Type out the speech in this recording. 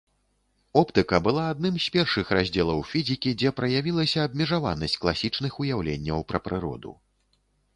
Оптыка была адным з першых раздзелаў фізікі, дзе праявілася абмежаванасць класічных уяўленняў пра прыроду.